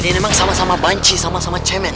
wah kalian emang sama sama banci sama sama cemen